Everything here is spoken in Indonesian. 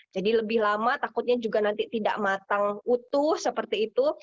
jadi lebih lama takutnya juga nanti tidak matang utuh seperti itu